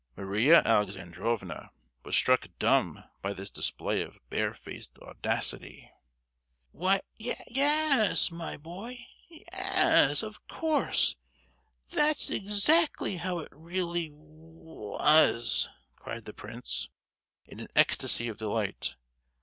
Maria Alexandrovna was struck dumb by this display of barefaced audacity. "Why, ye—yes, my boy, yes, of course; that's exactly how it really wa—as!" cried the prince, in an ecstasy of delight.